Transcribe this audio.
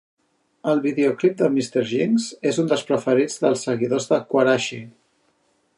El videoclip de "Mr. Jinx" és un dels preferits dels seguidors de Quarashi.